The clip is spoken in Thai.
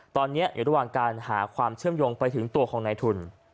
ตอนนี้อยู่ระหว่างการหาความเชื่อมโยงไปถึงตัวของนายทุน